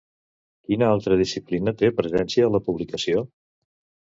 Quina altra disciplina té presència a la publicació?